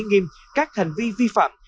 nghiêm các hành vi vi phạm